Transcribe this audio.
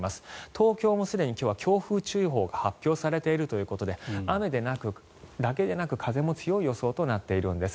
東京もすでに今日は強風注意報が発表されているということで雨だけでなく風も強い予想となっています。